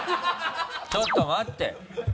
ちょっと待って。